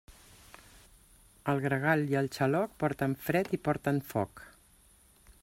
El gregal i el xaloc porten fred i porten foc.